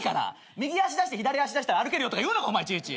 右足出して左足出したら歩けるよとか言うのかお前いちいち。